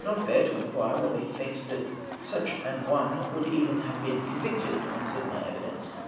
4G1 not fair to inquire whetlier he thinks that such an one woukl even have been convicted on similar evidence